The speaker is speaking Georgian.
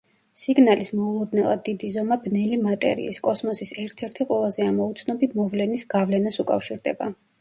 სიგნალის მოულოდნელად დიდი ზომა ბნელი მატერიის, კოსმოსის ერთ-ერთი ყველაზე ამოუცნობი მოვლენის, გავლენას უკავშირდება.